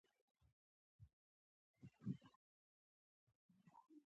د مخنیوي لپاره بیړني اقدامات